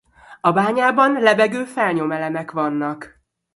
A bányában lebegő felnyom-elemek vannak.